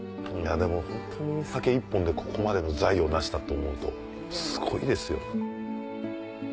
でもホントに酒１本でここまでの財を成したと思うとすごいですよ。